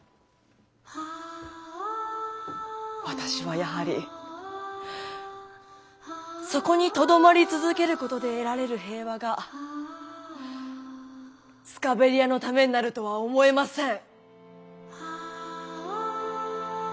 私はやはりそこにとどまり続けることで得られる平和がスカベリアのためになるとは思えません。